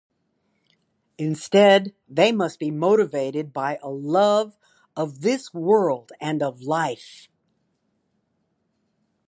Instead, they must be motivated by a love of this world and of life.